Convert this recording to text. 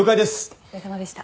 お疲れさまでした。